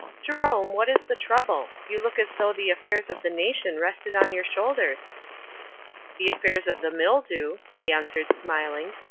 "Jerome what is the trouble? You look as though the affairs of the nation rested on your shoulders." "The affairs of the mill do," he answered, smiling.